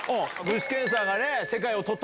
具志堅さんが生で。